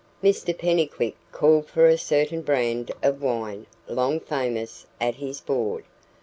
Mr Pennycuick called for a certain brand of wine long famous at his board.